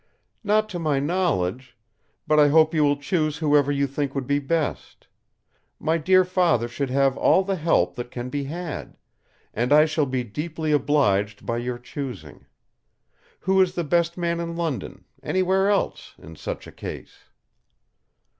"Not to my knowledge. But I hope you will choose whoever you think would be best. My dear Father should have all the help that can be had; and I shall be deeply obliged by your choosing. Who is the best man in London—anywhere else—in such a case?"